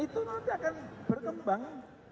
itu nanti akan berkembang